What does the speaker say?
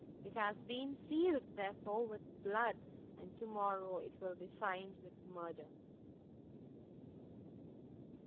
it has been sealed, therefore, with blood, and to morrow it will be signed with murder!"